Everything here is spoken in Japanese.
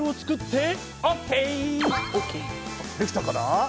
できたかな？